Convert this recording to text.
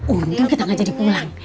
untung kita gak jadi pulang